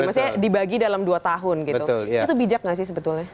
maksudnya dibagi dalam dua tahun gitu itu bijak nggak sih sebetulnya